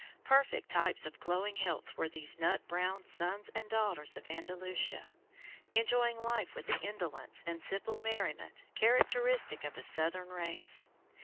Perfect types of glowing health were these nut brown sons and daughters of Andalusia, enjoying life with the indolence and simple merriment characteristic of a southern race.